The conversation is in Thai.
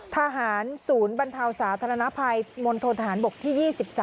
ทหารศูนย์บรรเทาสาธารณภัยมณฑนทหารบกที่๒๓